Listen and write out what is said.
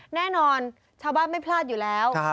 แน่นอนชาวบ้านไม่พลาดอยู่แล้ว